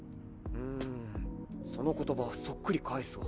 んその言葉そっくり返すわ。